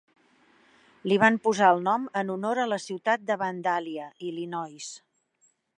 Li van posar el nom en honor a la ciutat de Vandalia (Illinois).